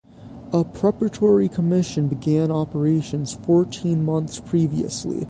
A Preparatory Commission began operations fourteen months previously.